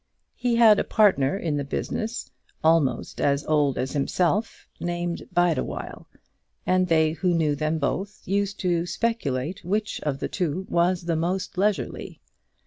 He had a partner in the business, almost as old as himself, named Bideawhile; and they who knew them both used to speculate which of the two was the most leisurely.